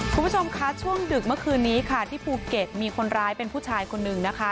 คุณผู้ชมคะช่วงดึกเมื่อคืนนี้ค่ะที่ภูเก็ตมีคนร้ายเป็นผู้ชายคนนึงนะคะ